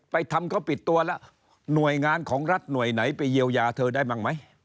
ทำเขาปิดตัวแล้วหน่วยงานของรัฐหน่วยไหนไปเยียวยาเธอได้บ้างไหม